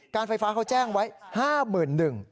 การไฟฟ้าเขาแจ้งไว้๕หมื่นหนึ่ง